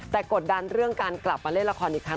แต่กดดันเรื่องการกลับมาเล่นละครอีกครั้ง